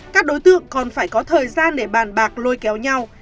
các đối tượng còn phải có thời gian để bàn bạc lôi kéo nhau